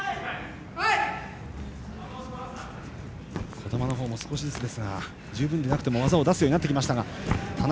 児玉のほうも少しずつですが十分でなくても技を出すようになってきました。